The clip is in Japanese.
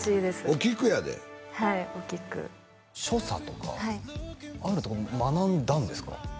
おきくやではいおきく所作とかああいうのとかも学んだんですか？